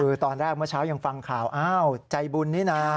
คือตอนแรกเมื่อเช้ายังฟังข่าวอ้าวใจบุญนี่นะ